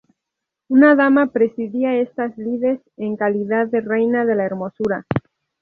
Una dama presidía estas lides en calidad de "reina de la hermosura".